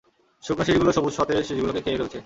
শুকনো শীষগুলো সবুজ সতেজ শীষগুলোকে খেয়ে ফেলছে।